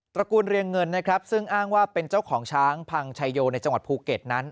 ระกูลเรียงเงินนะครับซึ่งอ้างว่าเป็นเจ้าของช้างพังชายโยในจังหวัดภูเก็ตนั้น